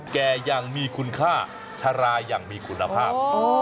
แก่ยังมีคุณค่าชะลาอย่างมีคุณภาพ